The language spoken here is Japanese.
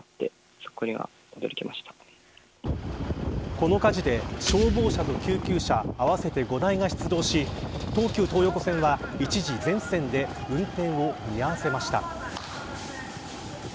この火事で消防車と救急車合わせて５台が出動し東急東横線は一時全線で運転を見合わせました。